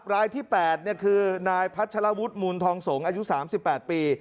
รายที่แปดเนี่ยคือนายพัฒนาวุฒิมูลทองสงศ์อายุสามสิบแปดปี